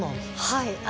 はい。